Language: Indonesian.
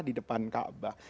di depan kaabah